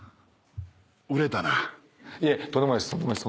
いえとんでもないです